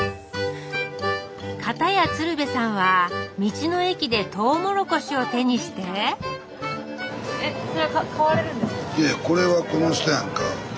片や鶴瓶さんは道の駅でトウモロコシを手にしてあっここ。